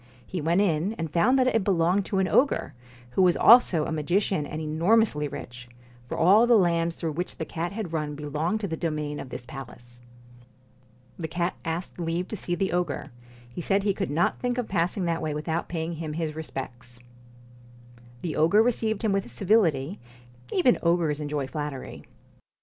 He went in, and found that it belonged to an ogre, who was also a magician and enormously rich, for all the lands through which the cat had run belonged to the domain of this palace. The cat asked leave to see the ogre. He said he could not think of passing that way without paying him his respects. The ogre received him with civility; even ogres enjoy flattery.